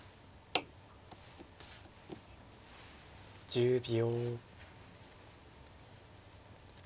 １０秒。